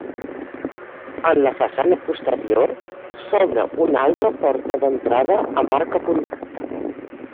En la façana posterior s'obre una altra porta d'entrada amb arc apuntat.